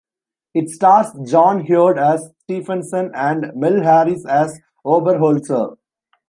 It stars John Heard as Stephenson and Mel Harris as Oberholtzer.